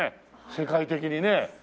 世界的にね。